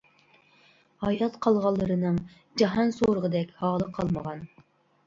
ھايات قالغانلىرىنىڭ جاھان سورىغۇدەك ھالى قالمىغان.